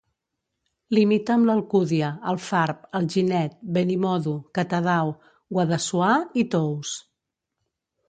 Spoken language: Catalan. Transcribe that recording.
Limita amb l'Alcúdia, Alfarb, Alginet, Benimodo, Catadau, Guadassuar i Tous.